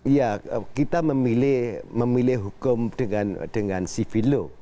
iya kita memilih hukum dengan sivilo